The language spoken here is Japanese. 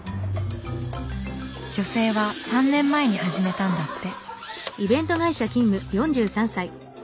女性は３年前に始めたんだって。